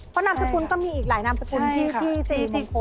เพราะนามสกุลก็มีอีกหลายนามสกุลที่โพสต์